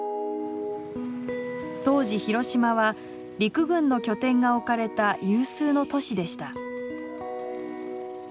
当時広島は陸軍の拠点が置かれた有数の都市でした。